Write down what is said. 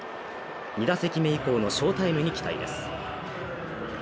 ２打席目以降のショータイムに期待です。